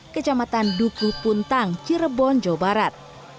kecamatan duku puntang cirebon jawa barat